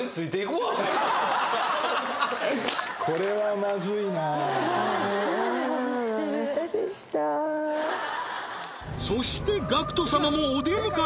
マズイそしてＧＡＣＫＴ様もお出迎え